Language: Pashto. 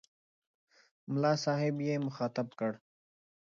ملا صاحب یې مخاطب کړ.